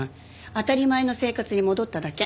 当たり前の生活に戻っただけ。